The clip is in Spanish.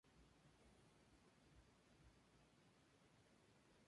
Una laja de mayor tamaño cubre la inhumación.